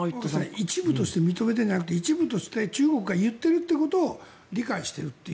一部として認めていないんじゃなくて一部として中国が言っていることを理解してるという。